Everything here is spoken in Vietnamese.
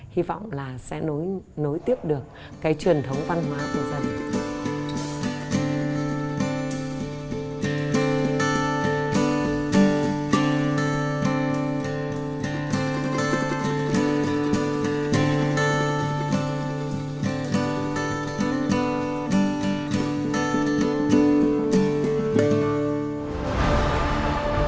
hy vọng là sẽ nối tiếp được cái truyền thống văn hóa của gia đình